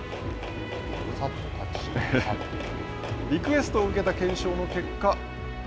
リクエストを受けた検証の結果